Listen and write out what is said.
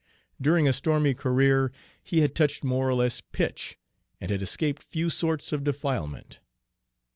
During a stormy career he had touched more or less pitch, and had escaped few sorts of defilement.